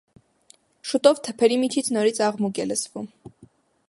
Շուտով թփերի միջից նորից աղմուկ է լսվում։